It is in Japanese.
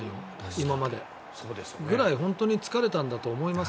今までというぐらい疲れたんだと思います。